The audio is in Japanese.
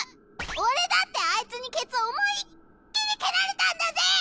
俺だってあいつにケツ思いっ切り蹴られたんだぜ！